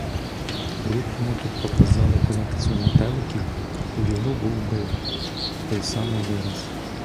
Коли б йому тут показали колекцію метеликів, у його був би той самий вираз.